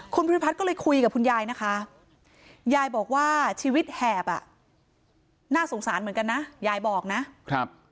คุณภูริพัฒน์ก็เลยคุยกับคุณยายนะคะยายบอกว่าชีวิตแหบอ่ะน่าสงสารเหมือนกันนะยายบอกนะครับ